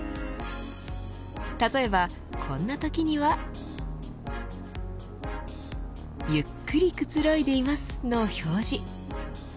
例えば、こんなときには。ゆっくりくつろいでいますの表示。